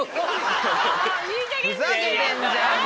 ふざけてんじゃんもう！